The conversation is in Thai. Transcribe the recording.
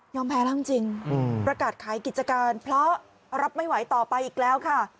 แพ้แล้วจริงประกาศขายกิจการเพราะรับไม่ไหวต่อไปอีกแล้วค่ะ